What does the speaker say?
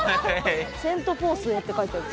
「セントフォースへ？」って書いてる。